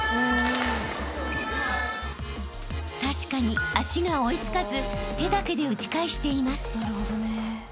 ［確かに足が追い付かず手だけで打ち返しています］